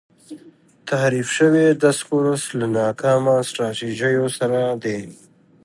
تحریف شوی دسکورس له ناکامه سټراټیژیو سره دی.